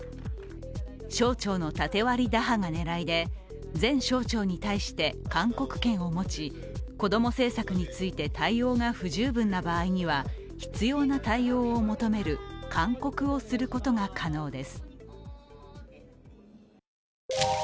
省庁の縦割り打破が狙いで、全省庁に対して勧告権を持ち、こども政策について、対応が不十分な場合には必要な対応を求める勧告をすることが可能です。